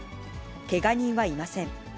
けが人はいません。